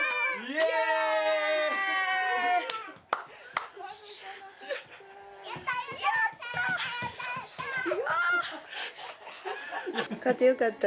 やった！